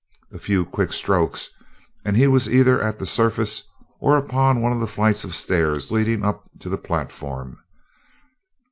A few quick strokes, and he was either at the surface or upon one of the flights of stairs leading up to the platform.